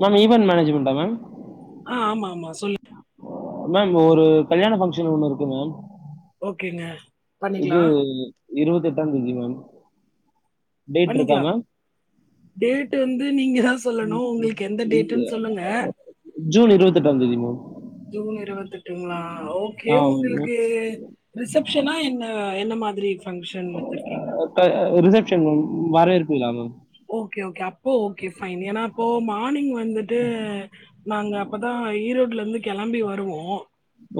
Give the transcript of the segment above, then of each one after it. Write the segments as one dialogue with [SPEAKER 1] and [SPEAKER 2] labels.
[SPEAKER 1] Ma'am event மேனேஜ்மெண்டா ma'am
[SPEAKER 2] ஆ ஆமா ஆமா சொல்லு
[SPEAKER 1] மேம் ஒரு கல்யாண ஃபங்க்ஷன் ஒண்ணு இருக்கு மேம்
[SPEAKER 2] ஓகேங்க
[SPEAKER 1] இது
[SPEAKER 2] பண்ணிக்கலாம்
[SPEAKER 1] இருவத்த எட்டாம் தேதி மேம் டேட் இருக்கா
[SPEAKER 2] பண்ணிக்கலா
[SPEAKER 1] மேம்
[SPEAKER 2] டேட் வந்து நீங்க தா சொல்லணு உங்களுக்கு எந்த டேட்டுன்னு சொல்லுங்க
[SPEAKER 1] ஜூன் இருபத்தெட்டாம் தேதி மேம்
[SPEAKER 2] ஜூன் இருவத்தி எட்டுங்களா ஓகே
[SPEAKER 1] ஆ
[SPEAKER 2] உங்களுக்கு ரிசப்ஷனா என்ன என்ன மாதிரி இரு ஃபங்க்ஷன் வச்சிருக்கீங்க
[SPEAKER 1] வரவேற்பல மேம்
[SPEAKER 2] ஓகே ஓகே அப்போ ஓகே ஃபைன் ஏன்னா அப்போ மார்னிங் வந்துட்டு நாங்க அப்பதான் ஈரோடுல இருந்து கிளம்பி வருவோம்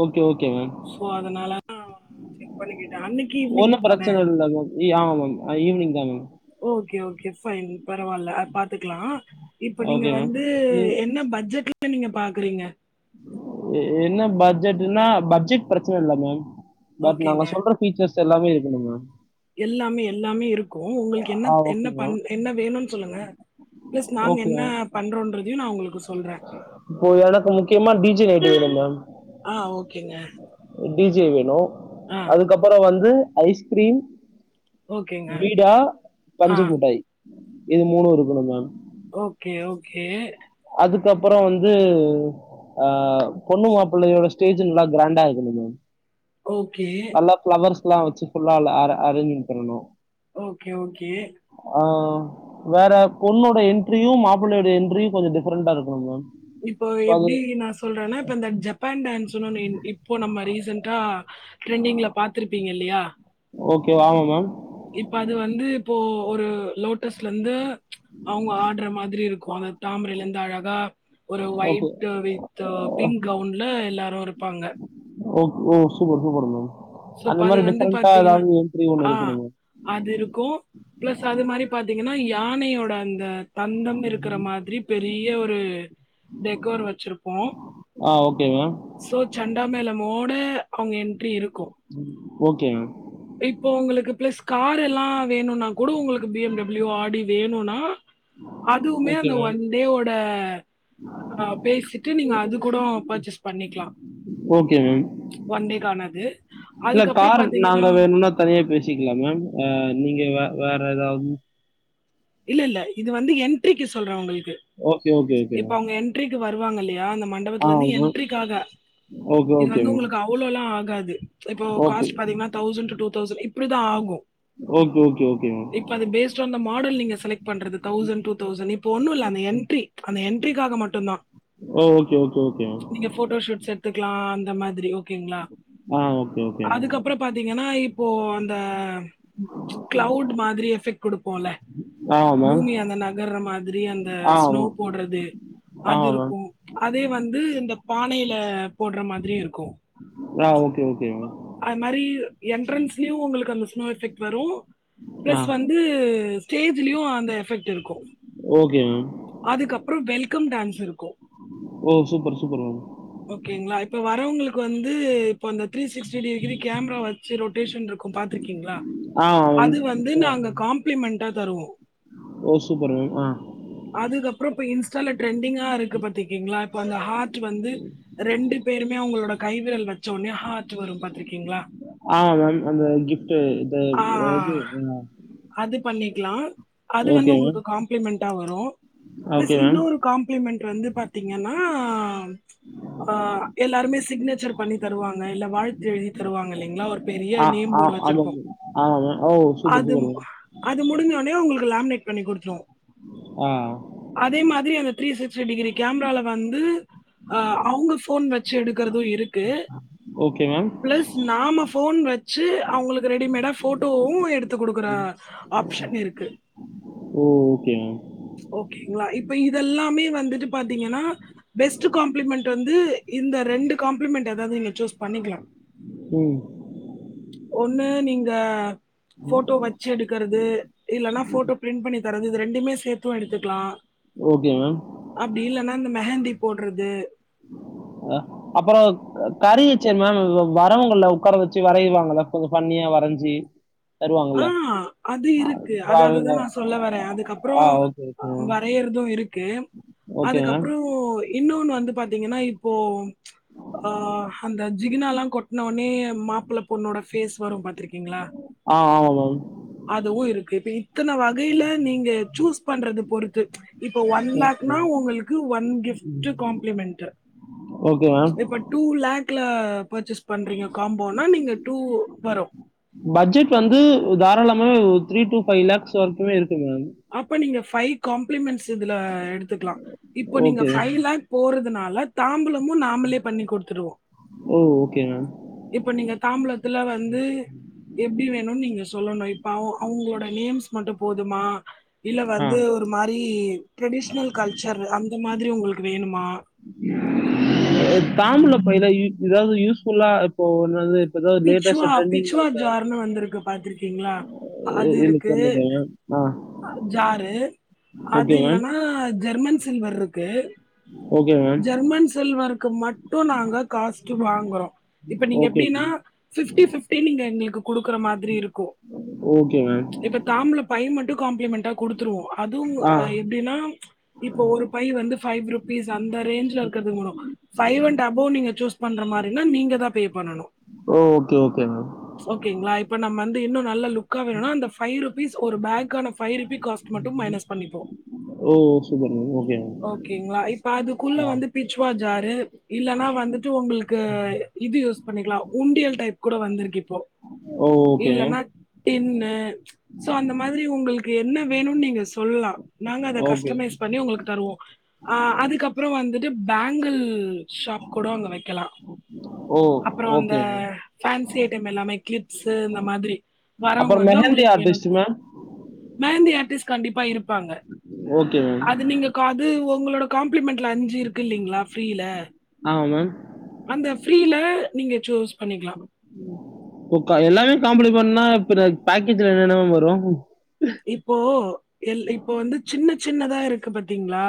[SPEAKER 1] ஓகே ஓகே
[SPEAKER 2] ஸோ அதனால செக் பண்ணிக்கிட்டேன் அன்னைக்கு ஈவினிங்
[SPEAKER 1] ஒன்னும் பிரச்சன இல்ல ஆமா ஈவினிங் தான் மேம்
[SPEAKER 2] ஓகே ஓகே ஃபைன் பரவால்ல பாத்துக்கலா இப்ப நீங்க
[SPEAKER 1] ஓகே மேம்
[SPEAKER 2] வந்து
[SPEAKER 1] நீ
[SPEAKER 2] என்ன பட்ஜெட்ல நீங்க பாக்குறீங்க
[SPEAKER 1] என்ன பட்ஜெட்ன்னா பட்ஜெட் பிரச்சன இல்ல மேம் பட்
[SPEAKER 2] ஓகேங்க
[SPEAKER 1] நாங்க சொல்ற ஃபீச்சர்ஸ் ச்செல்லாமே இருக்கணும் மேம்
[SPEAKER 2] எல்லாமே எல்லாமே இருக்கு உங்களுக்கு என்ன
[SPEAKER 1] ஆ
[SPEAKER 2] என்ன
[SPEAKER 1] ஓகே
[SPEAKER 2] பண்
[SPEAKER 1] மேம்
[SPEAKER 2] என்ன வேணுனு சொல்லுங்க ஃபிளஸ் நாங்க
[SPEAKER 1] ஓகே
[SPEAKER 2] என்ன
[SPEAKER 1] மேம்
[SPEAKER 2] பண்றோன்றதையு நா உங்களுக்
[SPEAKER 1] இப்போ எனக்கு முக்கியமா டீ ஜே லைட் வேணு மேம்
[SPEAKER 2] ஆஹ் ஓகேங்க
[SPEAKER 1] டி ஜே வேணு
[SPEAKER 2] ஆ
[SPEAKER 1] அதுக்கப்புறொ வந் து ஐஸ்கிரீம்
[SPEAKER 2] ஓகேங்க.
[SPEAKER 1] பீடா
[SPEAKER 2] ஆ
[SPEAKER 1] பஞ்சு முட்டாய் இது மூணு இருக்கணு மேம்
[SPEAKER 2] ஓகே ஓகே
[SPEAKER 1] அதுக்கப்பறொ வந்து ஆஹ் பொண்ணு மாப்பிள்ளையோட ஸ்டேஜ் நல்லா கிராண்டா இருக்கணும் மேம்
[SPEAKER 2] ஓகே
[SPEAKER 1] ஸ்லா வச்சு ஃபுல்லா அல அர அரேஜ்மெண்ட் பண்ணணு
[SPEAKER 2] ஓகே ஓகே
[SPEAKER 1] ஆ வேற பொண்ணோட என்ட்ரியு மாப்ளயோட என்ட்ரியு கொஞ்ச டிஃப்ரண்டா இருக்கணு மேம்
[SPEAKER 2] இப்போ
[SPEAKER 1] ஸோ அது
[SPEAKER 2] எப்டி நா சொல்றேன்னா இப்ப இந்த ஜப்பான் டான்ஸ் சொன்னனே இன் இப்போ நம்ம ரீசென்டா ட்ரெண்டிங்ல பாத்துருப்பீங்க இல்லயா
[SPEAKER 1] ஓகே வாமா மேம்
[SPEAKER 2] இப்ப அது வந்து இப்போ ஒரு லோட்டஸ்ல ருந்து அவங்க ஆடுற மாதிரி இருக்கு அந்த தாமரைல இருந்து அழகா ஒரு
[SPEAKER 1] ஓகே
[SPEAKER 2] ஒய்ட் வித் பிங்க் கவுன்ல எல்லாரு இருப்பாங்க
[SPEAKER 1] ஓக் ஓ சூப்பர் சூப்பர் மேம் அந்த
[SPEAKER 2] சுப் அது
[SPEAKER 1] மாதிரி
[SPEAKER 2] வந்து
[SPEAKER 1] டிஃப்ரெண்டா
[SPEAKER 2] பாத்தீங்கன்னா
[SPEAKER 1] ஏதாவது என்ட்ரி ஒன்று
[SPEAKER 2] ஆஹ்
[SPEAKER 1] இருக்கணும் மேம்
[SPEAKER 2] அது இருக்கு ஃபிளஸ் அது மாரி பாத்தீங்கன்னா யானையோட இந்த தந்தம் இருக்கிற மாதிரி பெரிய ஒரு டெக்கோர் வச்சிருப்போ
[SPEAKER 1] ஆ ஓகே மேம்
[SPEAKER 2] சோ சண்டாமேளமோட அவங்க என்ட்ரி இருக்கு
[SPEAKER 1] ஓகே மேம்
[SPEAKER 2] இப்போ உங்களுக்கு ஃபிளஸ் கார்ல்லா வேணும்னா கூடு உங்களுக்கு பி எம் டபிள்யூ ஆடி வேணுன்னா அதுவுமே
[SPEAKER 1] ஓகே
[SPEAKER 2] அந்த
[SPEAKER 1] மேம்
[SPEAKER 2] ஒன் டேவோட ஆஹ் பேசிட்டு நீங்க அது கூடவு பர்ச்சேஸ் பண்ணிக்லா
[SPEAKER 1] ஓகே மேம்.
[SPEAKER 2] ஒன் டேக்கானது
[SPEAKER 1] இல்ல
[SPEAKER 2] அதுக்கப்புறம்
[SPEAKER 1] கார்
[SPEAKER 2] பாத்தீங்கன்னா
[SPEAKER 1] நாங்க வேணும்னா தனியா பேசிக்கலாம் மேம் அஹ் நீங்க வே வேற எதாவ்து
[SPEAKER 2] இல்ல இல்ல இது வந்து என்ட்ரிக்கு சொல்றே ஒங்களுக்
[SPEAKER 1] ஓகே ஓகே ஓகே மேம்
[SPEAKER 2] வருவாங்க இல்லையா ந
[SPEAKER 1] ஆ
[SPEAKER 2] மண்டபத்துலந்து
[SPEAKER 1] மேம்.
[SPEAKER 2] என்ட்ரிக்காக
[SPEAKER 1] ஓகே,
[SPEAKER 2] இது
[SPEAKER 1] ஓகே
[SPEAKER 2] வந்து
[SPEAKER 1] மேம்.
[SPEAKER 2] உங்களுக்கு அவ்ளோலா ஆகாது இப்போ
[SPEAKER 1] ஓகே.
[SPEAKER 2] காஸ்ட் பாத்தீங்கன்னா தௌசண்ட் டு டூ தௌசண்ட் இப்டிதான் ஆகும்
[SPEAKER 1] ஓகே, ஓகே, ஓகே மேம்.
[SPEAKER 2] இப்ப அந்த பேஸ்ட் ஆன் த மாடல் நீங்க பண்றது தௌசண் டூ தௌசண் இப்போ ஒன்னுல்ல அந்த என்ட்ரி அந்த என்ட்ரிக்காக மட்டுந்தா
[SPEAKER 1] ஓ ஓகே, ஓகே, ஓகே மேம்.
[SPEAKER 2] நீங்க ஃபோட்டோ ஷூட்ஸ் எட்த்துக்லா இந்த மாதிரி ஓக்கேங்ளா
[SPEAKER 1] ஆ ஓகே, ஓகே மேம்.
[SPEAKER 2] அதுக்கப்புறோ பாத்தீங்கன்னா இப் ப்போ அந்த ச்ச் க்ளவுட் மாதிரி எஃபெக்ட் குடுப்போல
[SPEAKER 1] ஆ மேம்.
[SPEAKER 2] பூமி அந்த நகர்ற மாதிரி அந்த
[SPEAKER 1] ஆ
[SPEAKER 2] ஸ்னோ
[SPEAKER 1] மேம்.
[SPEAKER 2] போட்றது
[SPEAKER 1] ஆ மேம்.
[SPEAKER 2] அதுருக்கு அதே வந்து இந்த பானையில [unintelligible] போட்ற மாதிரி இருக்கு
[SPEAKER 1] அ ஓகே ஓகே மேம்
[SPEAKER 2] அதுமாரி என்ட்ரன்ஸ்லியு உங்குளுக்கு அந்த ஸ்னோ எஃபெக்ட் வரு
[SPEAKER 1] ஆ
[SPEAKER 2] ப்ளஸ் வந்து ஸ்டேஜ்லியு அந்த எஃபெக்ட் இருக்கு
[SPEAKER 1] ஓகே மேம்
[SPEAKER 2] அதுக்கப்றோ வெல்கம் டேன்ஸ் இருக்
[SPEAKER 1] ஓ சூப்பர் சூப்பர் மேம்
[SPEAKER 2] கு வந்து அந்த த்ரீ சிக்டி டிகிரி கேமரா வச்சு ரொட்டேஷன்டுருக்கு பாத்திருக்கீங்களா
[SPEAKER 1] ஆ மேம்.
[SPEAKER 2] அது வந்து
[SPEAKER 1] அ
[SPEAKER 2] நாங்க காம்ப்ளிமெண்டா தருவோ
[SPEAKER 1] ஓ சூப்பர் மேம் அ
[SPEAKER 2] அதுக்கப்புறோ இப்ப இன்ஸ்டால ட்ரெண்டிங்கா இருக்கு பாத்துருக்கீங்ளா இப்போ அந்த ஹார்ட்டு வந்து ரெண்டு பேருமே அவுங்களோட கைவிரல் வச்ச ஒன்னே ஹார்ட்டு வரு பாத்திருக்கீங்ளா
[SPEAKER 1] அ மேம் அந்த கிஃப்ட்டு இது
[SPEAKER 2] ஆ,
[SPEAKER 1] இது அ
[SPEAKER 2] க்லா அது வந்து உங்குளுக்கு காம்ப்ளிமெண் [unintelligible] நோ ப்ளஸ்
[SPEAKER 1] ஓகே மேம்.
[SPEAKER 2] இன்னொரு காம்ப்ளிமென்ட் வந்து பாதிங்கன்னா அ ச்ச் அஎல்லாருமே சிக்னேச்சர் பண்ணி தருவாங்க இல்ல வாழ்த்து எழுதி தருவாங்க இல்லிங்ளா ஒரு பெரிய
[SPEAKER 1] ஆ
[SPEAKER 2] நேம்
[SPEAKER 1] ஆ
[SPEAKER 2] போர்டு
[SPEAKER 1] ஆமாம்
[SPEAKER 2] வச்சிருப்போ
[SPEAKER 1] மேம். ஆமாம் மேம். ஓ! சூப்பர்,
[SPEAKER 2] அது
[SPEAKER 1] சூப்பர் மேம்.
[SPEAKER 2] அது முடிஞ்சொனே உங்கு லாமினேட் பண்ணி குடுத்ருவோ
[SPEAKER 1] ஆ.
[SPEAKER 2] அதே மாதிரி அந்த த்ரீ சிக்ஸ்டி டிகிரி கேம்ரால வந்து அ அவுங்க ஃபோன் வெச்சு எடுக்கறது இருக்கு
[SPEAKER 1] ஓகே மேம்.
[SPEAKER 2] ப்ளஸ் நாம ஃபோன் வச்சு அவுங்களுக்கு ரெடிமேடா போட்டோவு எடுத்து குடுக்கற ஆப்ஷன் இருக்கு
[SPEAKER 1] ஓ! Okay ma'am.
[SPEAKER 2] ஓகேங்களா இப்ப இதெல்லாமே வந்துட்டு பாத்தீங்கனா பெஸ்ட்டு காம்ப்ளிமெண்ட் வந்து இந்த ரெண்டு காம்ப்ளிமெண்ட் எதாது நீங்க ச்சூஸ் பண்ணிக்கலா
[SPEAKER 1] ம்.
[SPEAKER 2] ஒண்ணு நீங்க ஃபோட்டோ வச்சு எடுக்கறது இல்லன்னா ஃபோட்டோ ப்ரிண்ட் பண்ணி தரது இது ரெண்டுமே சேத் தும் எடுத்துக்கலா
[SPEAKER 1] ஓகே மேம்.
[SPEAKER 2] அப்டி இல்லனா இந்த மெஹந்திப் போடறது
[SPEAKER 1] அஹ் அப்புறம் கருவிச்சே மேம் வரவங்கள உக்கார வச்சு வரையவாங்கள கொஞ்ச ஃபண்ணியா வரஞ்சி
[SPEAKER 2] ஆஹ் அது இருக்கு அத
[SPEAKER 1] டிராவிங்க
[SPEAKER 2] அதுதான் நான் சொல்ல வரேன்
[SPEAKER 1] ஆ
[SPEAKER 2] அதுக்கப்புறம்
[SPEAKER 1] ஓகே, ஓகே மேம்.
[SPEAKER 2] வரையறதும் இருக்கு
[SPEAKER 1] ஓகே மேம்.
[SPEAKER 2] அதுக்கப்புறம் இன்னொன்னு வந்து பாத்தீங்கன்னா இப்போ ம்ச் ஆஹ் அந்த ஜிகுனாளா கொட்ன உனே மாப்பள்ள பொண்ணோட ஃபேஸ் வரும் பாத்திருக்கீங்களா
[SPEAKER 1] ஆ ஆமா மேம்.
[SPEAKER 2] அதுவு இருக்கு பி இத்தன வகையில நீங்க சூஸ் பண்றது பொறுத்து இப்போ ஒன்
[SPEAKER 1] ஓகே
[SPEAKER 2] லேக்னா
[SPEAKER 1] மேம்.
[SPEAKER 2] உங்களுக்கு one gift compliment
[SPEAKER 1] okay ma'am.
[SPEAKER 2] இப்ப டூ லேக் க்லா பர்ச்சேஸ் பண்றீங்க காம்போனா நீங்க டூ வரும்
[SPEAKER 1] தாராளமே த்ரீ டூ ஃபைவ் லேக்ஸ் வரைக்குமே இரு
[SPEAKER 2] அப்ப நீங்க இஃ பைவ் காப்ளிமெண்ட்ஸ் இதுல எடுத்துக்கலாம் இப்போ நீங்க
[SPEAKER 1] ஓகே மேம்.
[SPEAKER 2] ஃபைவ் லேக் போடறதுனால இதுல தாம்பூலமு நாமளே பண்ணி கொடுத்துடுவோம்
[SPEAKER 1] ஓ ஓகே மேம்
[SPEAKER 2] இப்ப நீங்க தாம்பளத்துல வந்து எப்டி வேணும்னு நீங்க சொல்லணும் இப்ப அவங்களோட நேம்ஸ் மட்டும் போதுமா இல்ல
[SPEAKER 1] ஆ.
[SPEAKER 2] வந்து ஒரு மாறி ட்ரெடிஷனல் கல்ச்சர் அந்த இந்த மாதிரி உங்களுக்கு வேணுமா
[SPEAKER 1] தாம்பூல பையில ஏதாவது யூஸ்புல்லா இப்போ என்னது ஏதாவது லேட்டஸ்டா
[SPEAKER 2] பிச்சுவா
[SPEAKER 1] ட்ரெண்டிங்ல
[SPEAKER 2] பிச்சுவா
[SPEAKER 1] இருக்க
[SPEAKER 2] ஜார்ன்னு வந்துருக்கு பாத்திருக்கீங்களா அது
[SPEAKER 1] எனக்கு
[SPEAKER 2] இருக்கு
[SPEAKER 1] தெரியலங்க மேம் ஆ
[SPEAKER 2] ஜாரு அது
[SPEAKER 1] ஓகே மேம்
[SPEAKER 2] இல்லன்னா ஜெர்மன் சில் வர் இருக்கு
[SPEAKER 1] ஓகே மேம்
[SPEAKER 2] ஜெர்மன் சில்வர் க்கு மட்டும் நாங்க காஸ்ட் வாங்குறோம் இப்ப நீங்க
[SPEAKER 1] ஓகே
[SPEAKER 2] எப்டினா
[SPEAKER 1] மேம்
[SPEAKER 2] பிஃப்டி பிஃப்டி நீங்க எங்களுக்கு குடுக்கற மாதிரி இருக்கும்
[SPEAKER 1] ஓகே மேம்
[SPEAKER 2] இப்ப தாம்பூல பை மட்டும் காம்ப்ளிமெண்டா குடுத்துருவோம் அதுவும்
[SPEAKER 1] ஆ
[SPEAKER 2] எப்டின்னா இப்போ ஒரு பை வந்து ஃபைவ் ருபீஸ் அந்த ரேஞ்ச்ல இருக்றது வரும் பைவ் அண்ட் அபோவ் நீங்க சூஸ் பண்ற மாதிரினா நீங்க தான் பே பண்ணணும்
[SPEAKER 1] ஓ ஓகே ஓகே மேம்
[SPEAKER 2] ஓகேங்களா இப்ப நம்ம வந்து இன்னும் நல்லா லுக் க்கா வேணுனா அந்த ஃபைவ் ருப் பீஸ் ஒரு பேக்கான ஃபைவ் ருபீ காஸ்ட் மட்டும் மைனஸ் பண்ணிப்போம்
[SPEAKER 1] ஓ சூப்பர் மேம் ஓகே மேம்
[SPEAKER 2] ஓகேங்களா இப் அதுகுள்ள
[SPEAKER 1] ஆ
[SPEAKER 2] வந்து பிச்சுவா ஜாரு இல்லன்னா வந்துட்டு உங்களுக்கு இது யூஸ் பண்ணிக்கலாம் உண்டியல் டைப் கூட வந்திருக்கு இப்போ
[SPEAKER 1] ஓ ஓகே மேம்
[SPEAKER 2] இல்னா டின்னு சோ அந்த மாதிரி உங்களுக்கு என்ன வேணும்னு நீங்க சொல்லலாம் நாங்க அத
[SPEAKER 1] ஓகே
[SPEAKER 2] கஸ்டமைஸ் பண்ணி உங்களுக்கு தருவோம் ஆஹ் அது க்கப்புறம் வந்துட்டு பேங்கிள் ஷாப் கூட அங்க வெக்கலாம்
[SPEAKER 1] ஓ
[SPEAKER 2] அப்புறம் அந்த
[SPEAKER 1] ஓகே மேம்
[SPEAKER 2] பேன்சி சி ஐட்டம் எல்லாமே கிளிப்ஸ்ஸு இந்த மாதிரி வரவங்க
[SPEAKER 1] அப்புறம்
[SPEAKER 2] வந்து
[SPEAKER 1] மெஹந்தி
[SPEAKER 2] அவங்களுக்கு வேணும்.
[SPEAKER 1] ஆர்ட்டிஸ்ட்டு மேம்
[SPEAKER 2] மெஹந்தி ஆர்ட்டிஸ்ட் கண்டிப்பா இருப்பாங்க
[SPEAKER 1] ஓகே மேம்
[SPEAKER 2] அது நீங்க காது ஓ உங்களோட காம் ளிமெண்ட்ல அஞ்சு இருக்கு இல்லைங்களா ஃப்ரீல
[SPEAKER 1] ஆமாம் மேம்
[SPEAKER 2] அந்த ஃப்ரீல நீங்க சூஸ் பண்ணிக்கலாம்
[SPEAKER 1] ஓ கா எல்லாமே காம்பிளிமெண்ட் பண்ணா அப்புறம் பேக்கேஜ்ல என்னென்ன மேம் வரும்
[SPEAKER 2] இப்போ எ இப்போ வந்து சின்ன சின்னதா இருக்கு பாத்தீங்களா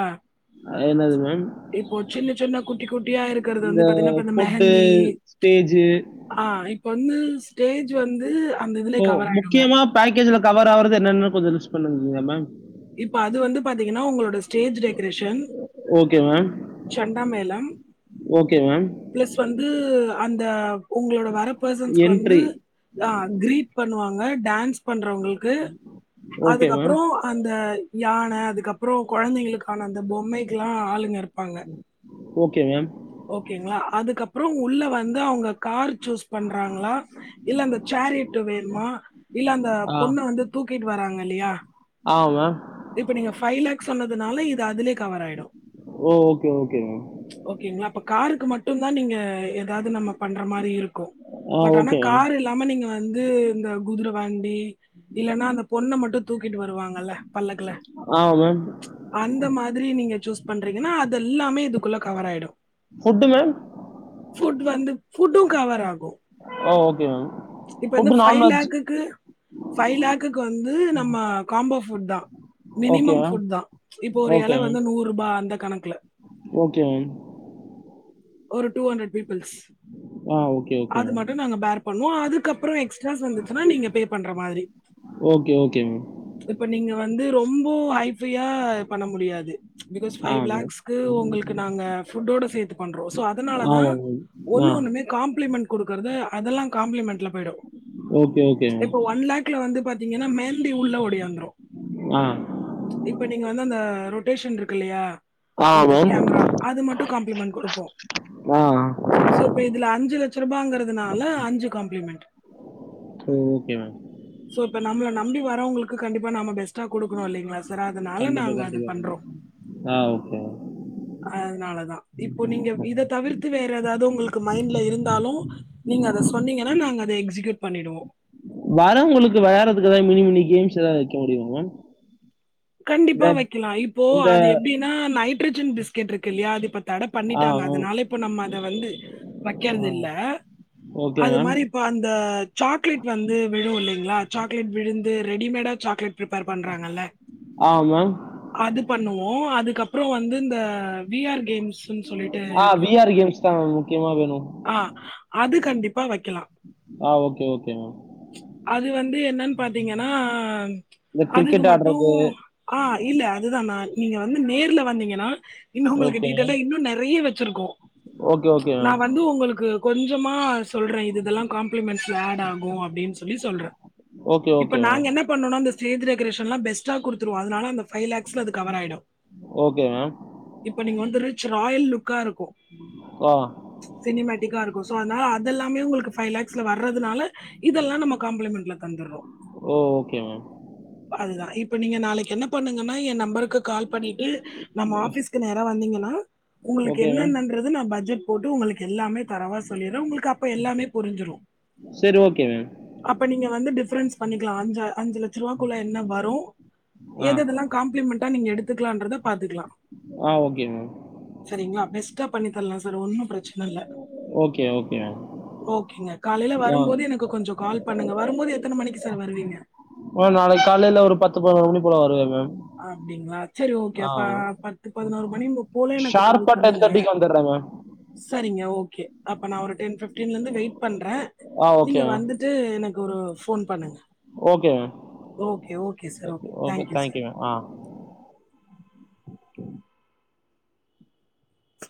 [SPEAKER 1] அ என்னது மேம்
[SPEAKER 2] இப்ப சின்ன சின்ன குத் டிக்கு [unintelligible] இருக்கிறது
[SPEAKER 1] இந்த
[SPEAKER 2] வந்து பாத்தீன்னா
[SPEAKER 1] ஃபுட்டு
[SPEAKER 2] மெஹந்தி
[SPEAKER 1] ஸ்டேஜு
[SPEAKER 2] ஆஹ் இப்ப வந்து ஸ்டேஜ் வந்து அந்த இதுல கவர் ஆயிடுங்க
[SPEAKER 1] முக்கியமா பக்கேஜ்ல கவர் ஆகுறது என்னென்னு கொஞ்ச லூஸ் பண்ணிருந்தீங்க மேம்
[SPEAKER 2] இப்ப அது வந்து பாத்தீங்கன்னா உங்களோட ஸ்டேஜ் டெக்கரேஷன்
[SPEAKER 1] ஓகே மேம்.
[SPEAKER 2] ஷண்டா மேளம்
[SPEAKER 1] ஓகே மேம்.
[SPEAKER 2] பிளஸ் வந்து அந்த உங்களோட வர பர்சன்ஸ்கு வந்து
[SPEAKER 1] என்ட்ரி.
[SPEAKER 2] கிரீட் பண்ணுவாங்க ங்க டான்ஸ் பண்றவங்களுக்கு
[SPEAKER 1] ஓகே மேம்.
[SPEAKER 2] அதுக்கப்புறம் அ யானை அதுக்கப்புறம் அப்புறம் குழந்தைங்களுக்கான அந்த பொம்மைக்கெலாம் ஆளுங்க வாங்க
[SPEAKER 1] ஓகே மேம்
[SPEAKER 2] ஓகேங்களா அதுக்கப்புறம் உள்ளே வந்து அவங்க கார் சூஸ் பண்றாங்களா இல்ல அந்த சேரட்டு வேணுமா இல்ல அந்த
[SPEAKER 1] ஆ.
[SPEAKER 2] பொண்ணு வந்து தூக்கிட்டு வராங்க அப்டியா
[SPEAKER 1] ஆ மேம்
[SPEAKER 2] இப்ப நீங்க ஃபைவ் லேக்ஸ் சொன்னதுனாலே இது அதுலே கவர் ஆயிடும்
[SPEAKER 1] ஓ! Okay, okay ma'am.
[SPEAKER 2] ஓகேங்களா அப்ப கார் மட்டும் நீங்க ஏதாவது நம்ம பண்ற மாதிரி இருக்கும்
[SPEAKER 1] ஆ
[SPEAKER 2] பட் ஆனா
[SPEAKER 1] ஓகே மேம்.
[SPEAKER 2] கார் இல்லாம நீங்க வந்து இந்த குதிரை வண்டி இல்லேன்னா அந்த பொண்ண மட்டும் தூக்கிட்டு வருவாங்கல்ல பல்லக்குசூஸ் பணல
[SPEAKER 1] ஆ மேம்.
[SPEAKER 2] அந்த மாதிரி நீங்க பண்றீங்கன்னா அது எல்லாமே இதுக்குள்ளே கவர் ஆயிடும்
[SPEAKER 1] ஃபுட்டு மேம்?
[SPEAKER 2] புட் வந்து புட்டும் கவர் ஆகும்
[SPEAKER 1] ஆ [unintelligible]
[SPEAKER 2] இப்ப வந்து ஃபைவ் லேக்குக்கு ஃபைவ் லேக்குக்கு வந்து நம்ம காம்போ ஃபுட்தா
[SPEAKER 1] ஓகே
[SPEAKER 2] மினிமம்
[SPEAKER 1] மேம்.
[SPEAKER 2] ஃபுட் தான் இப்போ ஒரு
[SPEAKER 1] ஓகே
[SPEAKER 2] இல
[SPEAKER 1] மேம்.
[SPEAKER 2] வந்து நூரு பா அந்த கணக்கில்
[SPEAKER 1] ஓகே மேம்
[SPEAKER 2] ஒரு டூ ஹண்ட்ரட் ஸ்
[SPEAKER 1] ஆ ஓகே, ஓகே
[SPEAKER 2] அது
[SPEAKER 1] மேம்.
[SPEAKER 2] மட்டும் நாங்க பேர பண்ணுவோம் அதுக்கு அப்புறம் எக்ஸ்ட் வந்துச்சுன்னா நீங்க பே பண்ற மாதிரி
[SPEAKER 1] ஓகே, ஓகே மேம்.
[SPEAKER 2] இப்ப நீங்க வந்து ரொம் ரொம்ப ஆ பண்ண முடியாது பிகாஸ் ஃபை
[SPEAKER 1] ஆ மேம்.
[SPEAKER 2] லேக்ஸ்க்கு உங்களுக்கு நாங்க ஃபுட்டோட சேத்து பண்றோம் சோ அதனால
[SPEAKER 1] ஆமா
[SPEAKER 2] தான்
[SPEAKER 1] மேம்.
[SPEAKER 2] ஒண்ணு
[SPEAKER 1] ஆ.
[SPEAKER 2] ஒண்ணுமே காம்ப்ளிமெண்ட் கொடுக்குறது அதெல்லாம் காம்ப்ளிமெண்ட்ல போயிடும்
[SPEAKER 1] ஓகே, ஓகே மேம்.
[SPEAKER 2] இப்போ ஒன் லேக்ல வந்து பாத்தீங்கன்னா மேந்தி உள்ளே உடையாங்க
[SPEAKER 1] ஆ.
[SPEAKER 2] இப்ப நீங்க வந்து அந்த ரொட்டேஷன் இருக்கு இல்லயா
[SPEAKER 1] ஆ
[SPEAKER 2] அந்த
[SPEAKER 1] மேம்.
[SPEAKER 2] கேமரா அது மட்டு காம்ப்ளிமெண்ட் குடுப்
[SPEAKER 1] ஆ.
[SPEAKER 2] சோ இப்ப இதுல அஞ்சு லெச்ச ருபாங்கிறதுனால அஞ்சு காம்ப்ளிமெண்ட்
[SPEAKER 1] சொ ஓகே மேம்
[SPEAKER 2] இப்ப நம்ள நம்பி வரவ்ங்களுக்கு கண்டிப்பா நாம பெஸ்டா குடுக்கணு இல்லைங்ளா சா சார் அதுனால
[SPEAKER 1] கண்டிப்பா
[SPEAKER 2] நாங்க அது
[SPEAKER 1] கண்டிப்பா
[SPEAKER 2] பண்றோ
[SPEAKER 1] மேம் ஆ ஓகே மேம்.
[SPEAKER 2] அதுனாலதா இப் ப்போ நீங்க இத தவிர்த்து வே ற எதாவது உங்களுக்கு மைண்ட்ல இருந்தாலு நீங்க அத சொன்னீங்கனா நாங்க அத எக்ஸுயூட் பண்ணிடுவோ
[SPEAKER 1] வரவ்ங்களுக்கு வெளாட்றதுக்குதா மினி மினி கேம்ஸ் எதாது வெக்க முடியுமா மேம் இந்த
[SPEAKER 2] கண்டிப்பா வக்கெலா இப்போ
[SPEAKER 1] இந்த
[SPEAKER 2] அது எப்டினா நைட் ரஜன் பிஸ்கட் இருக்குல்லயா அத இப்ப தட
[SPEAKER 1] ஆ
[SPEAKER 2] பண்ணிட்டாங்க
[SPEAKER 1] மேம்
[SPEAKER 2] அதனால இப்ப நம்ம அத வந்து
[SPEAKER 1] ஆ
[SPEAKER 2] வைக்கற்தில்ல
[SPEAKER 1] ஓகே
[SPEAKER 2] அது
[SPEAKER 1] மேம்
[SPEAKER 2] மாரி இப்ப அந்த சாக்லேட் வந்து விழு இல்லைங்ளா சாக்லேட் விழுந்து ரெடிமேடா சாக்லேட் ப்ரிப்பேர் பண்றாங்கல்ல
[SPEAKER 1] ஆ மேம்
[SPEAKER 2] அது பண்ணுவோ அதுக்கப்ற வந்து இந்த வி ஆர் கேம்ஸ் ஸுன் சொல்லிட்டு
[SPEAKER 1] ஆ
[SPEAKER 2] இருக்கு
[SPEAKER 1] விஆர் கேம்ஸ் தான் மேம் முக்கியமாக வேணும்
[SPEAKER 2] ஆஹ் அது கண்டிப்பா வக்கெலா
[SPEAKER 1] ஆ ஓகே ஓகே மேம்
[SPEAKER 2] அது வந்து என்னன் பாத்தீங்கனா
[SPEAKER 1] இந்த
[SPEAKER 2] அதுக்கு
[SPEAKER 1] கிரிக்கெட்
[SPEAKER 2] மட் ஓ
[SPEAKER 1] ஆடுறது
[SPEAKER 2] ஆஹ் இல்ல அதுதா நா நீங்க வந்து நேர்ல வந்தீங்கனா இன்னு உங்களுக்கு
[SPEAKER 1] ஓகே மேம்
[SPEAKER 2] டீட்டெய்லா இன்னு நெறைய வச்சிருக்கோ
[SPEAKER 1] ஓகே ஓகே
[SPEAKER 2] நா
[SPEAKER 1] மேம்
[SPEAKER 2] வந்து உங்களுக்கு கொஞ்சமா சொல்றே இது இதெல்லா காப்ளிமெண்ட்ஸ்ல ஆட் ஆகு அப்டின் சொல்லி சொல்ற
[SPEAKER 1] ஓகே
[SPEAKER 2] இப்ப
[SPEAKER 1] ஓகே மேம்
[SPEAKER 2] நாங்க என்ன பண்ணுனா இந்த ஸ்டேஜ் டெக்ரேசன்லா பெஸ்ட் ட்டா குடுத்துருவோ அதுனால அந்த ஃபை லாக்ஸ்ல அது கவர் ஆய்டு
[SPEAKER 1] ஓகே மேம்
[SPEAKER 2] இப்ப நீங்க வந்து ரிச் ராயல் லுக் காருக் கு
[SPEAKER 1] ஆ
[SPEAKER 2] சினிமேட்டிக்கா இருக் கு சோ அதுனால அதெல்லாமே உங்களுக்கு ஃபை லாக்ஸ்ல வர்றதுனால இதெல்லா நம்ம காம்ளிமெண்ட்ல தந்துர்றோ
[SPEAKER 1] ஓ ஓகே மேம்
[SPEAKER 2] அதுதா இப் இப்போ நீங்க நாளைக்கு என்ன பண்ணுங்கன்னா எ நம்பருக்கு கால் பண்ணிட்டு நம்ம ஆபிஸ்கு நேரா வந்தீங்கன்னா உங்களுக்கு
[SPEAKER 1] ஓகே மேம்
[SPEAKER 2] என்னனன்றது நா பட்ஜெட் போட்டு உங்களுக்கு எல்லாமே தரவா சொல்லிற உங்களுக்கு அப்ப எல்லாமே புரிஞ்சிரு
[SPEAKER 1] சரி ஓகே மேம்
[SPEAKER 2] அப்ப நீங்க வந்து டிஃப்ரன்ஸ் பண்ணிக்லா அஞ்ச அஞ்சு லட்சரூவாக்குள்ள என்ன வரு
[SPEAKER 1] ஆ
[SPEAKER 2] எதெதெல்லா காம்ப்ளிமெண்டா நீங்க எடுத்துக்கலான்றத பாத்துக்லா
[SPEAKER 1] ஆ ஓகே மேம்
[SPEAKER 2] சரிங்களா பெஸ்டா பண்ணி ல்லா சர் ஒன்னு ப்ரச்சன இல்ல
[SPEAKER 1] ஓகே ஓகே மேம்
[SPEAKER 2] ஓகேங்க காலைல
[SPEAKER 1] ஆ
[SPEAKER 2] வரும்போது எனக்கு கொஞ்சோ கால் பண்ணுங்க வரும்போது எத்தன மணிக்கு சார் வருவீங்க
[SPEAKER 1] ஆ நாளைக்கு காலைல ஒரு பத்து பதுணோரு மணி போல வருவ மேம்
[SPEAKER 2] அப்டிங்ளா சேரி ஓகே
[SPEAKER 1] ஆ
[SPEAKER 2] அப்ப பத்து பதினோரு மணி போல எனக்கு கால்
[SPEAKER 1] ஷார்ப்பா டென்
[SPEAKER 2] பண்ணுங்க
[SPEAKER 1] தேர்ட்டிக்கு வந்துடுறேன் மேம்
[SPEAKER 2] சரிங்க ஓகே அப்ப நா ஒரு டென் பிப்டீன்ல இருந்து வெய்ட் பண்ற
[SPEAKER 1] ஆ ஓகே
[SPEAKER 2] நீங்க
[SPEAKER 1] மேம்
[SPEAKER 2] வந்துட்டு எனக் ஒரு ஃபோன் பண்ணுங்க
[SPEAKER 1] okay ma'am
[SPEAKER 2] okay okay sir okay thank you sir
[SPEAKER 1] thank you ma'am ah